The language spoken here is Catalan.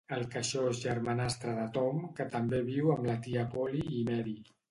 El queixós germanastre de Tom, que també viu amb la tia Polly i Mary.